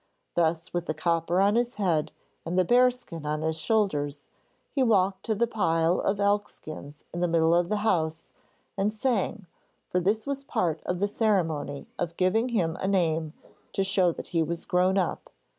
Thus with the copper on his head and the bear skin on his shoulders he walked to the pile of elk skins in the middle of the house and sang, for this was part of the ceremony of giving him a name to show that he was grown up.